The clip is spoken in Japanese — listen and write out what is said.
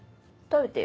食べてよ。